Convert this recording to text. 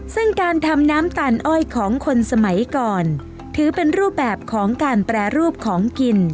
ซึ่งการทำน้ำตาลอ้อยของคนสมัยก่อนถือเป็นรูปแบบของการแปรรูปของกิน